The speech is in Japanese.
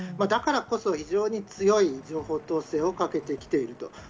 だからこそ、非常に強い情報統制をかけてきている。